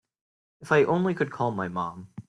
If I only could call my mom.